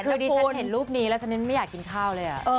คือดิฉันเห็นรูปนี้แล้วฉันไม่อยากกินข้าวเลย